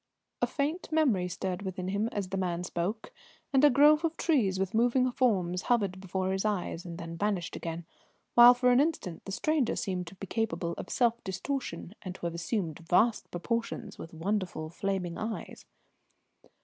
A faint memory stirred within him as the man spoke, and a grove of trees with moving forms hovered before his eyes and then vanished again, while for an instant the stranger seemed to be capable of self distortion and to have assumed vast proportions, with wonderful flaming eyes.